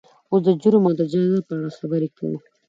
اوس د جرم او جزا په اړه خبرې کوو.